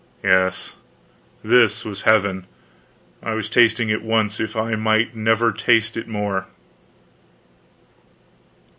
Yes, this was heaven; I was tasting it once, if I might never taste it more.